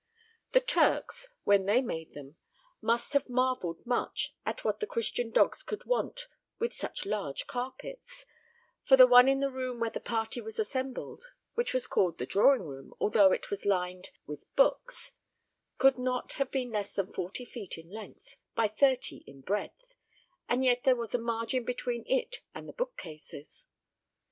The Turks, when they made them, must have marvelled much at what the Christian dogs could want with such large carpets; for the one in the room where the party was assembled which was called the drawing room, although it was lined with books could not have been less than forty feet in length, by thirty in breadth, and yet there was a margin between it and the book cases.